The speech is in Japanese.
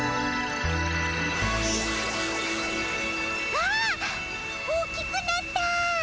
あっ大きくなった！